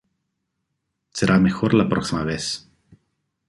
Será mejor la próxima vez"".